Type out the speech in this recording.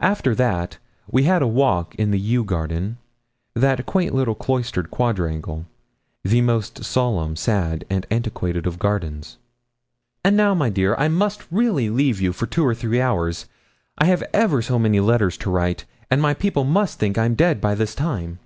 After that we had a walk in the yew garden, that quaint little cloistered quadrangle the most solemn, sad, and antiquated of gardens. 'And now, my dear, I must really leave you for two or three hours. I have ever so many letters to write, and my people must think I'm dead by this time.'